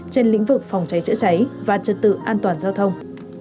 trên lĩnh vực phòng cháy chữa cháy và trật tự an toàn giao thông